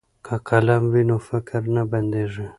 که قلم وي نو فکر نه بندیږي.